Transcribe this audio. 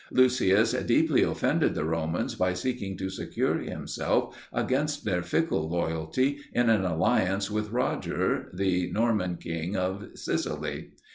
Lucius deeply offended the Romans by seeking to secure himself against their fickle loyalty in an alliance with Roger, the Norman king of Sicily.